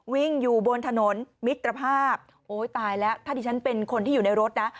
วิ่งอยู่บนถนนมิตรภาพโอ้ยตายแล้วถ้าดิฉันเป็นคนที่อยู่ในรถนะ